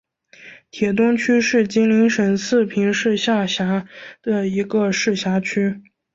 铁东区是吉林省四平市下辖的一个市辖区。